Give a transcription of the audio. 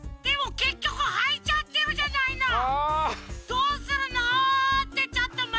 どうするの？ってちょっとまさとも！